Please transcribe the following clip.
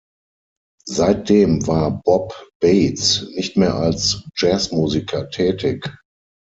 Seitdem war Bob Bates nicht mehr als Jazzmusiker tätig.